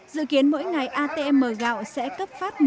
dự kiến mỗi ngày atm gạo sẽ cấp phát